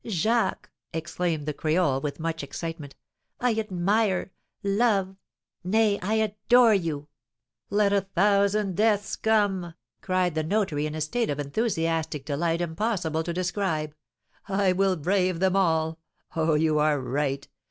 "Jacques," exclaimed the creole, with much excitement, "I admire, love, nay, adore you!" "Let a thousand deaths come!" cried the notary, in a state of enthusiastic delight impossible to describe, "I will brave them all! Oh, you are right!